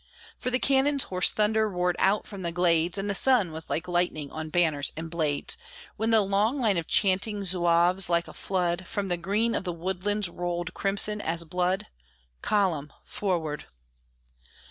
For the cannon's hoarse thunder roared out from the glades, And the sun was like lightning on banners and blades, When the long line of chanting Zouaves, like a flood, From the green of the woodlands rolled, crimson as blood "Column! Forward!"